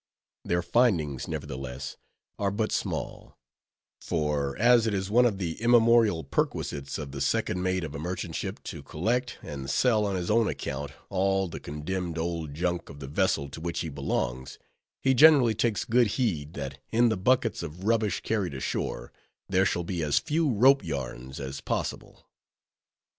Their findings, nevertheless, are but small; for as it is one of the immemorial perquisites of the second mate of a merchant ship to collect, and sell on his own account, all the condemned "old junk" of the vessel to which he belongs, he generally takes good heed that in the buckets of rubbish carried ashore, there shall be as few rope yarns as possible.